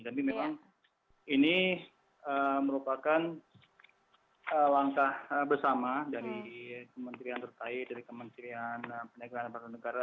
tapi memang ini merupakan langkah bersama dari kementerian terkait dari kementerian perdagangan